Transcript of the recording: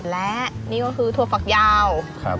และนี่ก็คือถั่วฝักยาว